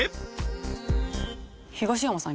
東山さん